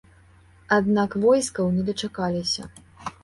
Аднак войскаў не дачакалася.